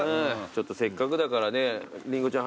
せっかくだからねりんごちゃん